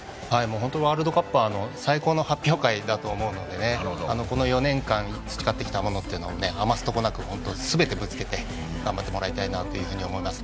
本当、ワールドカップは最高の発表会だと思うのでこの４年間に培ってきたものというのは、あますところなくすべてぶつけて頑張ってもらいたいなというふうに思います。